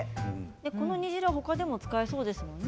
この煮汁は他でも使えそうですね。